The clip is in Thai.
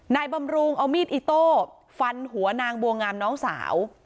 บำรุงเอามีดอิโต้ฟันหัวนางบัวงามน้องสาว